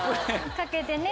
かけてね。